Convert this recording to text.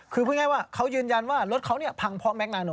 คือพูดง่ายว่าเขายืนยันว่ารถเขาเนี่ยพังเพราะแม็กนาโน